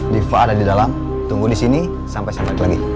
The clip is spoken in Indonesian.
diva ada di dalam tunggu di sini sampai sampai lagi